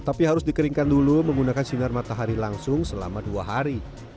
tapi harus dikeringkan dulu menggunakan sinar matahari langsung selama dua hari